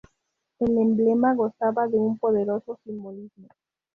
El emblema gozaba de un poderoso simbolismo.